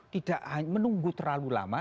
tidak menunggu terlalu lama